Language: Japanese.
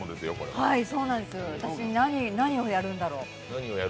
私、何をやるんだろう？